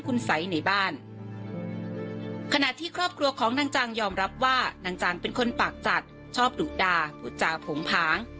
ครอบครัวของนางจางยอมรับว่านางจางเป็นคนปักจัดชอบดุดาบุจจาผงผาง